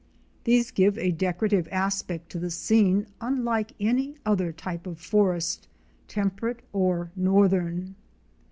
These give a decorative aspect to the scene unlike any other type of forest — temperate or northern.